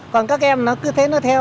còn các em nó cứ thế nó theo